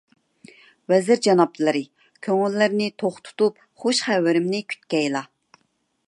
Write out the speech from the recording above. ۋەزىر جانابلىرى، كۆڭۈللىرىنى توق تۇتۇپ خۇش خەۋىرىمنى كۈتكەيلا.